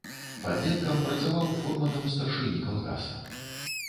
Падлеткам працаваў фурманам старшыні калгаса.